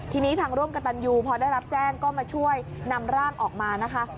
ทีนี้ทางร่วมกับตันยูพอได้รับแจ้งก็มาช่วยนำร่างออกมานะคะ